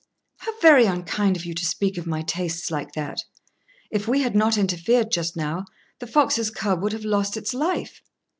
"How very unkind of you to speak of my tastes like that. If we had not interfered just now, the fox's cub would have lost its life.